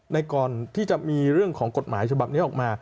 ก่อนที่จะมีเรื่องของกฎหมายฉบับนี้ออกมา